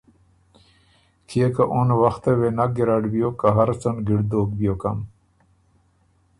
کيې که اُن وخته وې نک ګیرډ بیوک که هر څه ن ګِړد دوک بیوکن